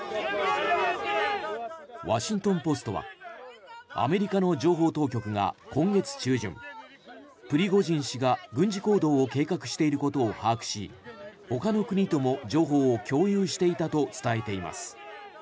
ワシントン・ポストはアメリカの情報当局が今月中旬プリゴジン氏が軍事行動を計画していることを把握しほかの国とも情報を共有していたと伝えています。